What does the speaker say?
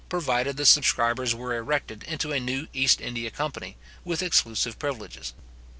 provided the subscribers were erected into a new East India company, with exclusive privileges.